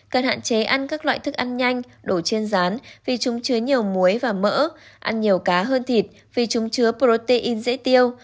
cần hạn chế ăn các loại thức ăn nhanh đồ trên rán vì chúng chứa nhiều muối và mỡ ăn nhiều cá hơn thịt vì chúng chứa protein dễ tiêu